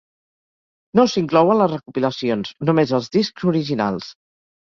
No s'inclouen les recopilacions, només els discs originals.